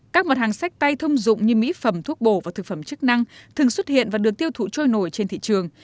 các mặt hàng sách tay thông dụng như mỹ phẩm thuốc bổ và thực phẩm chức năng thường xuất hiện và được tiêu thụ trôi nổi trên thị trường